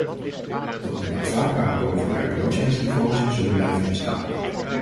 De onaanvaardbaar hoge werkloosheidsniveaus zullen blijven bestaan.